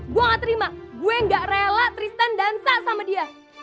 gue gak terima gue gak rela tristan dansa sama dia